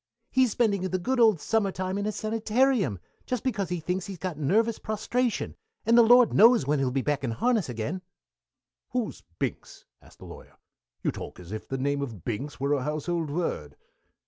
"He's spending the good old Summer time in a sanitarium, just because he thinks he's got nervous prostration, and the Lord knows when he'll be back in harness again." "Who's Binks?" asked the Lawyer. "You talk as if the name of Binks were a household word."